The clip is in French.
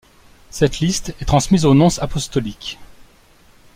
Cette liste est transmise au nonce apostolique.